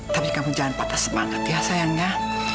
tapi kamu jangan patah semangat ya sayangnya